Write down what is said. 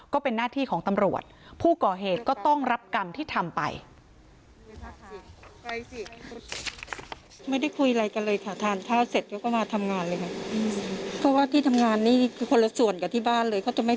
ก็เป็นหน้าที่ของตำรวจผู้ก่อเหตุก็ต้องรับกรรมที่ทำไป